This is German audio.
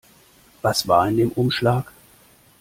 Was war in dem Umschlag?